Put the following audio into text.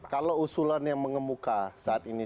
kalau usulan yang mengemuka saat ini